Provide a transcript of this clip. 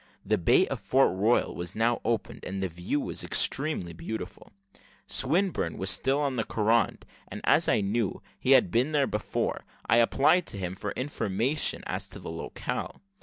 The bay of Fort Royal was now opened, and the view was extremely beautiful. Swinburne was still on the carronade, and as I knew he had been there before, I applied to him for information as to the locale.